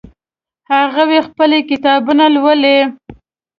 هغوی خپلې کتابونه لولي